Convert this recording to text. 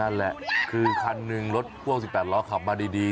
นั่นแหละคือคันหนึ่งรถพ่วง๑๘ล้อขับมาดี